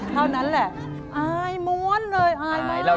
เท่านั้นแหละไอม้วนเลยไอมาก